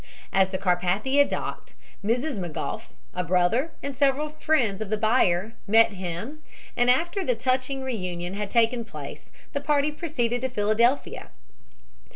As the Carpathia docked, Mrs. McGough, a brother and several friends of the buyer, met him, and after the touching reunion had taken place the party proceeded to Philadelphia.